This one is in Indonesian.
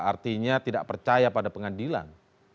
artinya tidak percaya pada pengadilan